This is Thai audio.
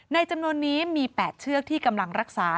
จำนวนนี้มี๘เชือกที่กำลังรักษา